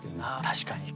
確かに。